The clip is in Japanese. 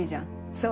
そう？